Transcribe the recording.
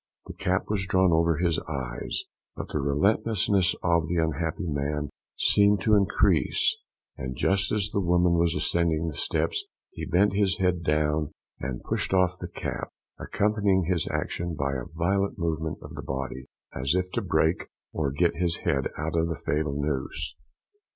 The cap was drawn over his eyes, but the restlessness of the unhappy man seemed to increase; and, just as the woman was ascending the steps, he bent his head down, and pushed off the cap, accompanying this action by a violent movement of the body, as if to break or get his head out of the fatal noose.